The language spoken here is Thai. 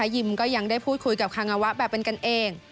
ยิมก็ยังได้พูดคุยกับคางาวะแบบเป็นกันเอง